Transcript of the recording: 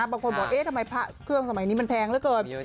บางคนบอกเอ๊ะทำไมพระเครื่องสมัยนี้มันแพงเหลือเกิน